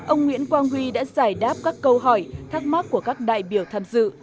ông nguyễn quang huy đã giải đáp các câu hỏi thắc mắc của các đại biểu tham dự